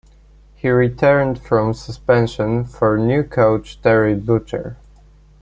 He returned from suspension for new coach Terry Butcher.